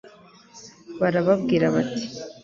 barababwira bati